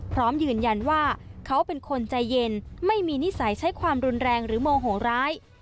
พร้อมยืนยันว่าเขาเป็นคนใจเย็นไม่มีนิสัยใช้ความรุนแรงหรือโมโหร้าย